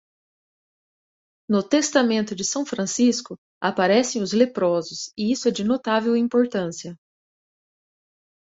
No Testamento de São Francisco, aparecem os leprosos, e isso é de notável importância.